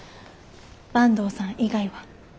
坂東さん以外は。